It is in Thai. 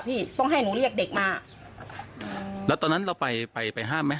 พี่ต้องให้หนูเรียกเด็กมาแล้วตอนนั้นเราไปไปห้ามไหม